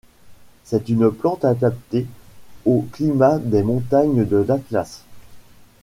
C'est une plante adaptée au climat des montagnes de l'Atlas.